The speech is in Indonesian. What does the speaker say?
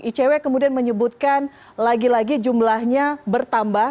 icw kemudian menyebutkan lagi lagi jumlahnya bertambah